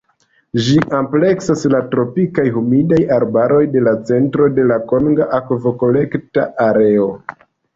Ĝi ampleksas la tropikaj humidaj arbaroj de la centro de la konga akvokolekta areo.